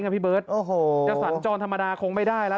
พี่เบิร์ตโอ้โหจะสัญจรธรรมดาคงไม่ได้แล้ว